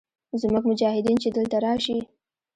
زموږ مجاهدین چې دلته راشي.